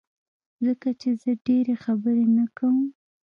ځکه چي زه ډيری خبری نه کوم